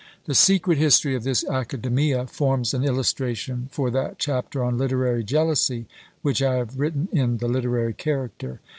The secret history of this Academia forms an illustration for that chapter on "Literary Jealousy" which I have written in "The Literary Character."